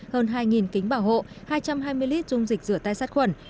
hơn hai kính bảo hộ hai trăm hai mươi lít dung dịch rửa tay sát khuẩn